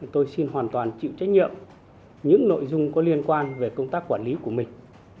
tôi xin hoàn toàn chịu trách nhiệm những nội dung có liên quan về công tác quản lý của mình